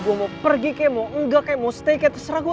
gue mau pergi kayak mau nggak kayak mau stay kayak terserah gue